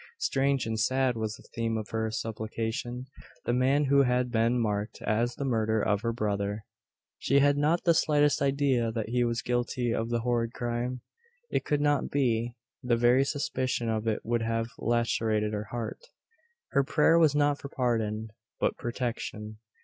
Strange and sad was the theme of her supplication the man who had been marked as the murderer of her brother! She had not the slightest idea that he was guilty of the horrid crime. It could not be. The very suspicion of it would have lacerated her heart. Her prayer was not for pardon, but protection.